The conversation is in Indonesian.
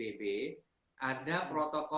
ada peraturan yang diperkenankan untuk membeli bahan pokok